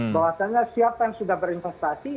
bahwasannya siapa yang sudah berinvestasi